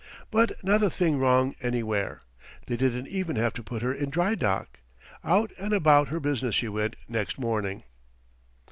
But not a thing wrong anywhere; they didn't even have to put her in dry dock. Out and about her business she went next morning.